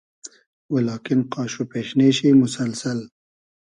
و لاکین قاش وپېشنې شی موسئلسئل